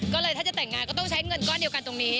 ก็เลยถ้าจะแต่งงานก็ต้องใช้เงินก้อนเดียวกันตรงนี้